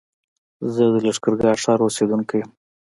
زه د لښکرګاه ښار اوسېدونکی يم